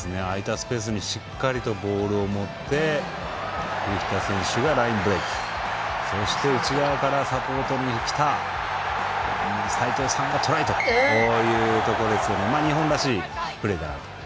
スペースにしっかりとボールを持ってフィフィタ選手がラインでそして、内側からサポートにきた齋藤さんがトライということですけど日本らしいプレーかなと。